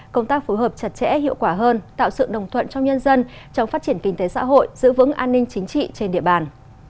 công tác phối hợp chặt chẽ hiệu quả hơn tạo sự đồng thuận trong nhân dân trong phát triển kinh tế xã hội giữ vững an ninh chính trị trên địa bàn